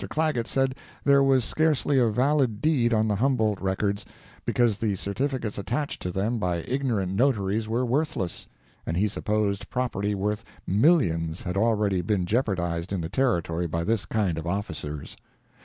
Clagett said there was scarcely a valid deed on the Humboldt records, because the certificates attached to them by ignorant Notaries were worthless, and he supposed property worth millions had already been jeopardized in the Territory by this kind of officers.